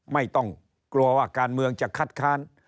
ไม่ต้องกลัวว่าการเมืองจะคัดค้าน